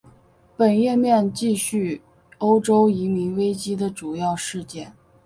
本页面记叙欧洲移民危机的主要事件。